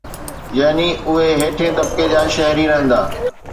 يعني اهي هيٺين طبقي جا شهري رهندا.